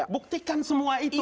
buktikan semua itu